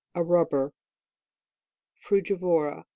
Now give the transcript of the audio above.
A rubber. FRUGIVORA.